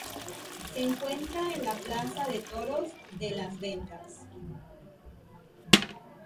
Se encuentra en la Plaza de Toros de Las Ventas.